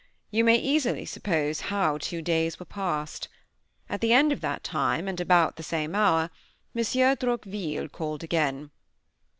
You may easily suppose how two days were passed. At the end of that time, and at about the same hour, Monsieur Droqville called again.